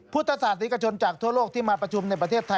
พุทธศาสนิกชนจากทั่วโลกที่มาประชุมในประเทศไทย